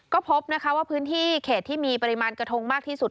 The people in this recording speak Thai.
ก็พบพื้นที่เพิ่มขวางอยู่กระทงมากที่สุด